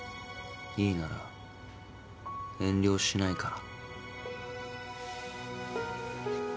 いいなら遠慮しないから。